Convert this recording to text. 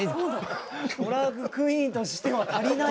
ドラァグクイーンとしては足りない。